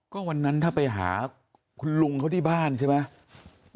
ก็วันนั้นถ้าไปหาคุณลุงเขาที่บ้านใช่ไหม